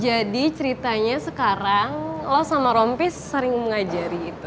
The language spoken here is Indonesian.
jadi ceritanya sekarang lo sama rompis sering mengajari itu